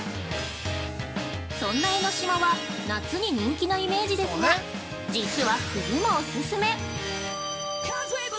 そんな江の島は、夏に人気のイメージですが、実は、冬もオススメ！